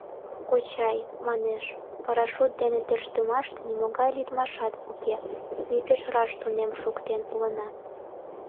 — Кочай, манеш, парашют дене тӧрштымаште нимогай лӱдмашат уке, ме пеш раш тунем шуктен улына.